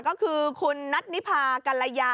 ก็คือคุณนัทนิพากัลยา